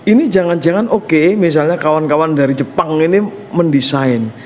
ini jangan jangan oke misalnya kawan kawan dari jepang ini mendesain